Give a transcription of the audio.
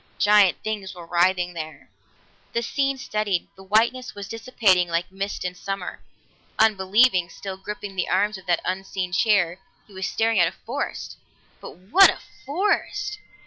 Giant things were writhing there. The scene steadied; the whiteness was dissipating like mist in summer. Unbelieving, still gripping the arms of that unseen chair, he was staring at a forest. But what a forest!